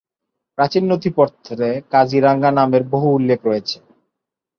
প্রাচীন নথিপত্রে কাজিরাঙ্গা নামের বহু উল্লেখ রয়েছে।